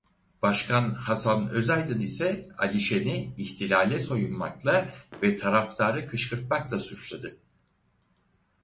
Başkan Hasan Özaydın ise Ali Şen'i ihtilale soyunmakla ve taraftarı kışkırtmakla suçladı.